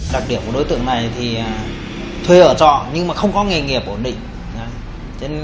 đặc điểm của đối tượng này thì thuê ở trọ nhưng mà không có nghề nghiệp ổn định